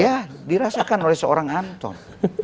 ya dirasakan oleh seorang anton